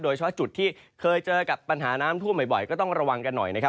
โดยเฉพาะจุดที่เคยเจอกับปัญหาน้ำท่วมบ่อยก็ต้องระวังกันหน่อยนะครับ